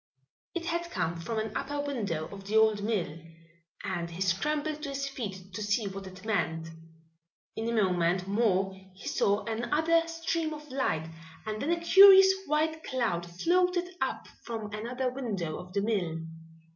It had come from an upper window of the old mill and he scrambled to his feet to see what it meant. In a moment more he saw another stream of light and then a curious white cloud floated up from another window of the mill.